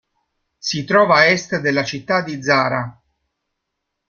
Si trova a est della città di Zara.